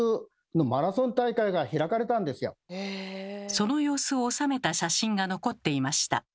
その様子を収めた写真が残っていました。